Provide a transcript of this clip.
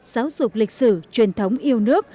giáo dục lịch sử truyền thống yêu nước